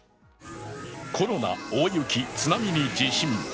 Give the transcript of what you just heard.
コロナ、大雪、津波に地震。